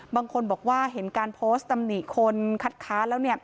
บางคนบอกว่าเห็นการโพสต์ตำหนิคนคัดค้านแล้ว